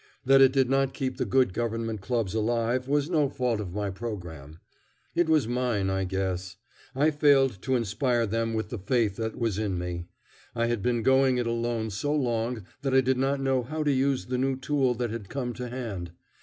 That it did not keep the Good Government clubs alive was no fault of my programme. It was mine, I guess. I failed to inspire them with the faith that was in me. I had been going it alone so long that I did not know how to use the new tool that had come to hand.